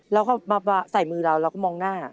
เราก็มาปลาใส่มือเราเราก็มองหน้า